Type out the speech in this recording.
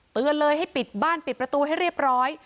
เตือนเลยให้ปิดบ้านปิดประตูให้เรียบร้อย